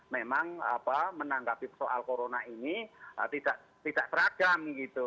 memang menanggapi soal corona ini tidak teragam gitu